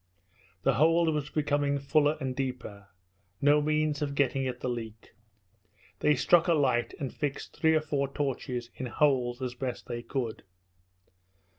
The hold was becoming fuller and deeper no means of getting at the leak. They struck a light and fixed three or four torches in holes as best they could.